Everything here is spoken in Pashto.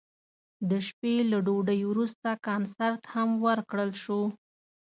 د شپې له ډوډۍ وروسته کنسرت هم ورکړل شو.